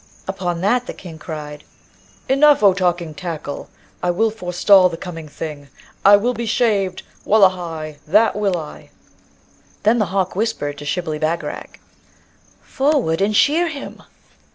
Upon that, the King cried, 'Enough, O talking tackle; I will forestall the coming thing. I will be shaved! wullahy, that will I!' Then the hawk whispered to Shibli Bagarag, 'Forward and shear him!'